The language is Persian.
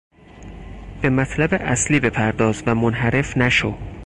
به مطلب اصلی بپرداز و منحرف نشو!